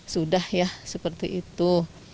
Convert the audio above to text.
sudah ya seperti itu